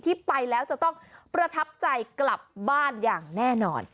ที่ไปแล้วจะต้องประทับใจกลับบ้านอย่างแน่นอน